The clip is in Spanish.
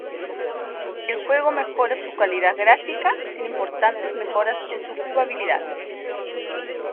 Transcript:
El juego mejora su calidad gráfica, sin importantes mejoras en su jugabilidad.